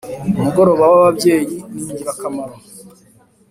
Umugoroba waba byeyi ningirakamaro